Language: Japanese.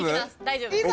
大丈夫？